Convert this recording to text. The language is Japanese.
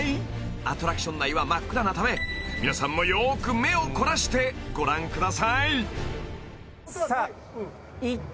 ［アトラクション内は真っ暗なため皆さんもよく目を凝らしてご覧ください］